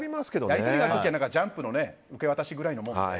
「ジャンプ」の受け渡しくらいなもんで。